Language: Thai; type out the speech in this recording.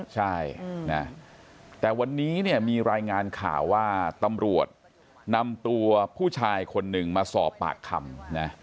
ใช่แต่วันนี้เนี่ยมีรายงานข่าวว่าตำรวจนำตัวผู้ชายคนหนึ่งมาสอบปากคำนะ